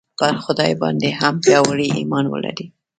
پر خدای باندې هم پیاوړی ایمان ولرئ